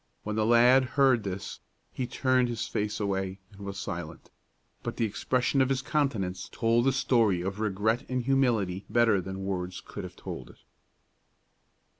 When the lad heard this he turned his face away and was silent; but the expression of his countenance told the story of regret and humility better than words could have told it.